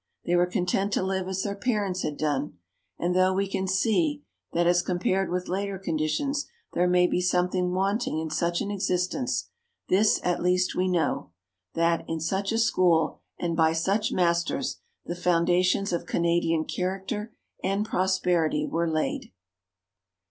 They were content to live as their parents had done. And though we can see that, as compared with later conditions, there may be something wanting in such an existence, this at least we know, that, in such a school and by such masters, the foundations of Canadian character and prosperity were laid.